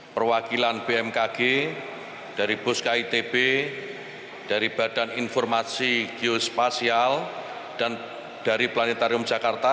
perwakilan bmkg dari busk itb dari badan informasi giospasial dan dari planetarium jakarta